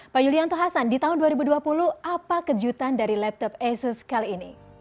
pak yulianto hasan di tahun dua ribu dua puluh apa kejutan dari laptop asus kali ini